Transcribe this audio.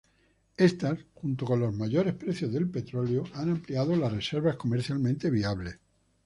Estas junto con los mayores precios del petróleo han ampliado las reservas comercialmente viables.